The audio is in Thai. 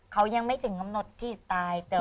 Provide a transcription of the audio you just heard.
เขายังไม่ถึงกำหนดที่ตาย